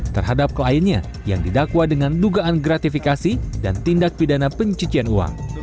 terhadap kliennya yang didakwa dengan dugaan gratifikasi dan tindak pidana pencucian uang